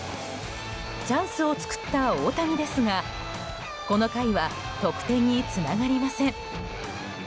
チャンスを作った大谷ですがこの回は得点につながりません。